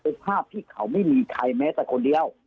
เป็นภาพที่เขาไม่มีใครแม้แต่คนเดียว